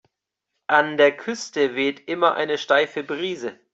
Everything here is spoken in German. An der Küste weht immer eine steife Brise.